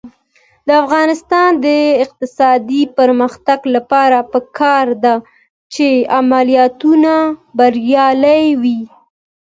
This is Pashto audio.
د افغانستان د اقتصادي پرمختګ لپاره پکار ده چې عملیاتونه بریالي وي.